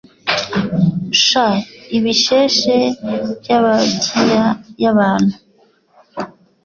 sha ibisheshe by amabyia y abantu